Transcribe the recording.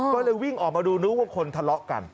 ก็เลยวิ่งออกมาดูนึกว่าคนทะเลาะกัน